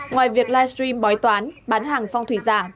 ngoài việc live stream bói toán bán hàng phong thủy giả